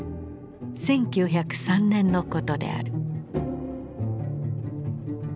１９０３年のことである。